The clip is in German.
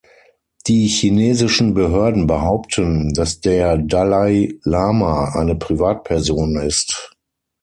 Die chinesischen Behörden behaupten, dass der Dalai Lama eine Privatperson ist.